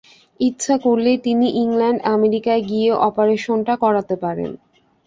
ইচ্ছা করলেই তিনি ইংল্যান্ড আমেরিকায় গিয়ে অপারেশনটা করাতে পারেন।